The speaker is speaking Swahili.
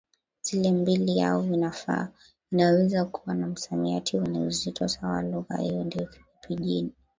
zile mbili au inaweza kuwa na msamiati wenye uzito sawa Lugha hiyo ndiyo KiPijini